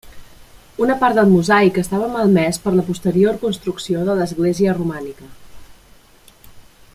Una part del mosaic estava malmès per la posterior construcció de l'església romànica.